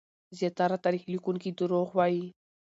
زياتره تاريخ ليکونکي دروغ وايي.